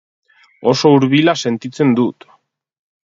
Oso hurbila sentitzen dut.